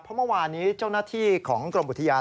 เพราะเมื่อวานนี้เจ้าหน้าที่ของกรมอุทยาน